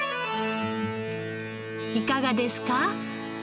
いかがですか？